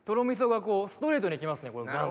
みそがストレートに来ますね。